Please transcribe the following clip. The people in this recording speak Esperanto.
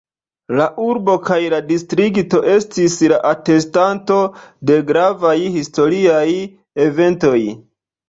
La urbo kaj la distrikto estis la atestanto de gravaj historiaj eventoj.